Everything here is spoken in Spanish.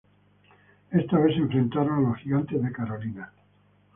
Esta vez se enfrentaron a los Gigantes de Carolina.